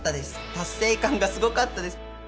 達成感がすごかったです。